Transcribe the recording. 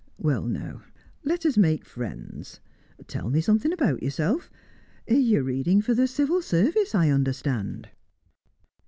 Well now, let us make friends; tell me something about yourself. You are reading for the Civil Service, I understand?"